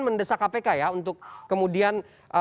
mendesak kpk ya untuk kemudian